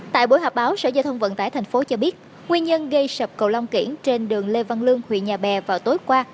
tại buổi họp báo sở giao thông vận tải tp hcm cho biết nguyên nhân gây sập cầu long kiển trên đường lê văn lương huyện nhà bè vào tối qua